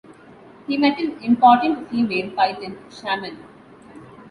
He met an important female python shaman.